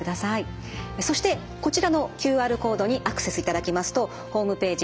そしてこちらのＱＲコードにアクセスいただきますとホームページ